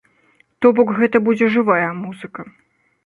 То бок гэта будзе жывая музыка.